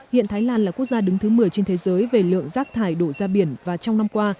hiện thái lan là quốc gia đứng thứ một mươi trên thế giới về lượng rác thải đổ ra biển và trong năm qua